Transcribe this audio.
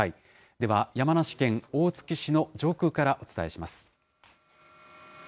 では、山梨県大月市の上空からお伝えします。